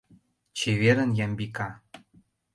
Чеверын, Ямбика!